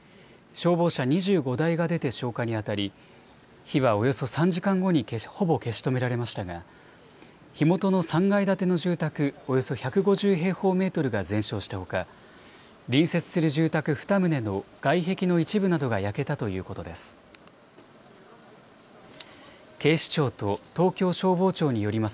消防車２５台が出て消火にあたり、火はおよそ３時間後にほぼ消し止められましたが、火元の３階建ての住宅およそ１５０平方メートルが全焼したほか、隣接する住宅２棟の外壁の一部などが焼けたということです。